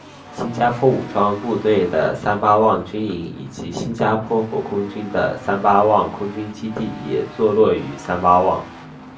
新加坡武装部队的三巴旺军营以及新加坡国空军的三巴旺空军基地也坐落与三吧旺。